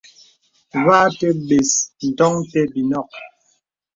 Və atə̀ bəs ndɔŋ té bi nɔk.